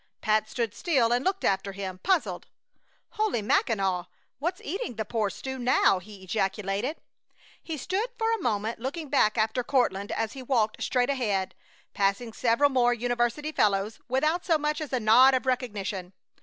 Pat stood still and looked after him, puzzled! "Holy Mackinaw! What's eating the poor stew now!" he ejaculated. He stood a moment looking back after Courtland as he walked straight ahead, passing several more university fellows without so much as a nod of recognition.